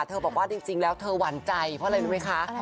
บอกว่าจริงแล้วเธอหวั่นใจเพราะอะไรรู้ไหมคะ